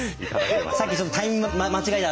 さっきちょっとタイミング間違えた。